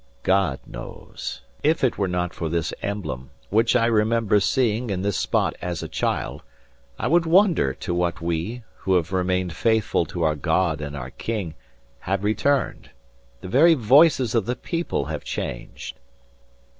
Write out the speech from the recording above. "God knows! If it were not for this emblem, which I remember seeing in this spot as a child, I would wonder to what we, who have remained faithful to our God and our king, have returned. The very voices of the people have changed."